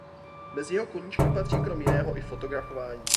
Mezi jeho koníčky patří krom jiného i fotografování.